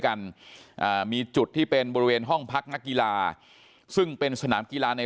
กันอ่ามีจุดที่เป็นบริเวณห้องพักนักกีฬาซึ่งเป็นสนามกีฬาใน